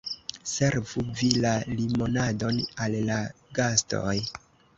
Servu vi la limonadon al la gastoj.